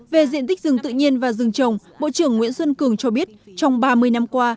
về diện tích rừng tự nhiên và rừng trồng bộ trưởng nguyễn xuân cường cho biết trong ba mươi năm qua